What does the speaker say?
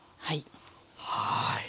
はい。